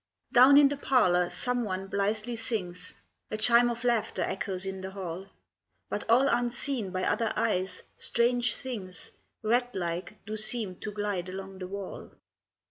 Down in the parlour some one blithely sings; A chime of laughter echoes in the hall; But all unseen by other eyes, strange things Rat like do seem to glide along the wall.